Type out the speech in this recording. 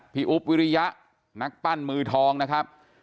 อุ๊บวิริยะนักปั้นมือทองนะครับ